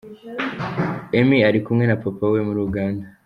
Emmy arikumwe na papa we muri Uganda.